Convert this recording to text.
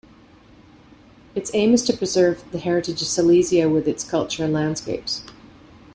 Its aim is to preserve the heritage of Silesia with its culture and landscapes.